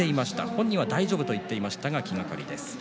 本人は大丈夫と言っていましたが気がかりです。